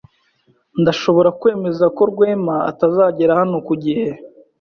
Ndashobora kwemeza ko Rwema atazagera hano ku gihe.